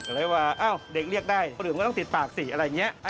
หรือว่าเอ้าเด็กเรียกได้คนอื่นก็ต้องเสียบปากสิอะไรอย่างนี้